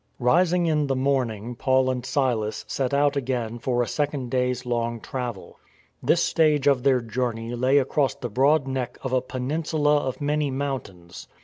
Rising in the morning Paul and Silas set out again for a second day's long travel. This stage of their journey lay across the broad neck of a peninsula of many mountains.